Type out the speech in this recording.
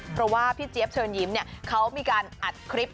เพราะว่าพี่เจี๊ยบเชิญยิ้มเขามีการอัดคลิป